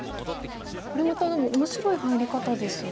これまたでも面白い入り方ですね。